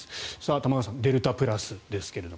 玉川さん、デルタプラスですが。